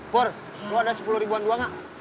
pur lo ada sepuluh ribuan doang gak